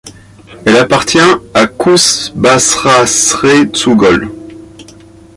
Elle appartient à Kuzbassrazrezugol.